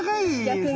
逆に。